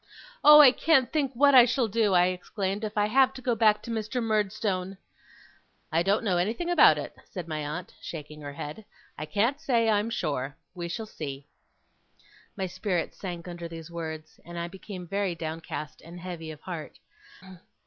'Oh! I can't think what I shall do,' I exclaimed, 'if I have to go back to Mr. Murdstone!' 'I don't know anything about it,' said my aunt, shaking her head. 'I can't say, I am sure. We shall see.' My spirits sank under these words, and I became very downcast and heavy of heart.